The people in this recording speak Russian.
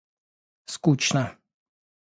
скучно